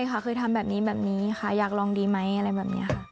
ค่ะเคยทำแบบนี้แบบนี้ค่ะอยากลองดีไหมอะไรแบบนี้ค่ะ